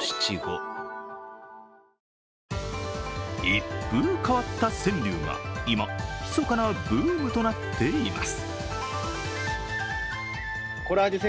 一風変わった川柳が今、密かなブームとなっています。